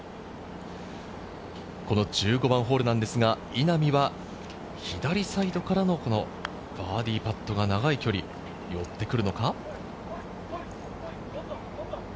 この１５番ホールなんですが、稲見は左サイドからのバーディーパットが長い距離打ってくるのか。